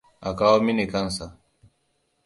A kawo mini kansa.